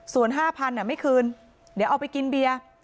ส่วน๕๐๐บาทไม่คืนเดี๋ยวเอาไปกินเบียร์